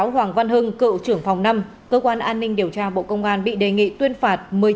hoàng văn hưng cựu trưởng phòng năm cơ quan an ninh điều tra bộ công an bị đề nghị tuyên phạt